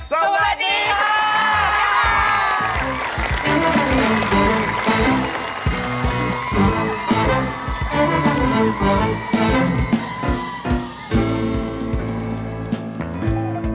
สวัสดีค่ะ